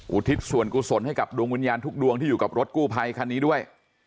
ทิศส่วนกุศลให้กับดวงวิญญาณทุกดวงที่อยู่กับรถกู้ภัยคันนี้ด้วย